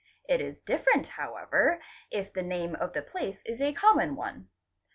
It is different however if the name of the place is acommon one.